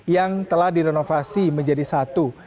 yang telah direnovasi menjadi satu